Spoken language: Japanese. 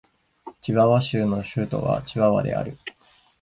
チワワ州の州都はチワワである